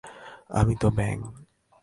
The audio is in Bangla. আমি তো ব্যাঙ!